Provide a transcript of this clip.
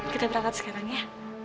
kita berangkat sekarang ya